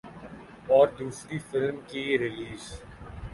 اور دوسری فلم کی ریلیز